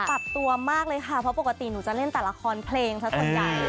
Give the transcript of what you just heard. ปรับตัวมากเลยค่ะเพราะปกติหนูจะเล่นแต่ละครเพลงซะส่วนใหญ่